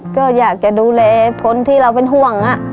ก็อยากจะดูแลคนที่เราเป็นห่วง